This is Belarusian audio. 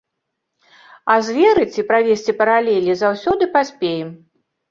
А зверыць і правесці паралелі заўсёды паспеем.